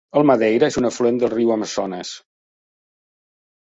El Madeira és un afluent del riu Amazones.